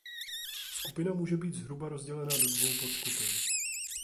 Skupina může být zhruba rozdělena do dvou podskupin.